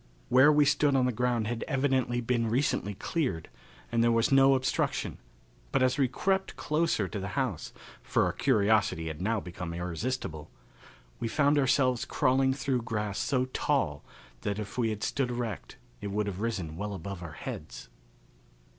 Where we stood the ground had evidently been recently cleared, and there was no obstruction, but as we crept closer to the house for our curiosity had now become irresistible we found ourselves crawling through grass so tall that if we had stood erect it would have risen well above our heads.